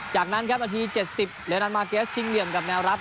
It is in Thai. จากนั้นครับนาทีเจ็ดสิบเรียนรันมาเก็บชิงเหลี่ยมกับแนวรับ